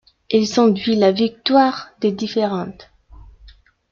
Elles ont vu la victoire de différents.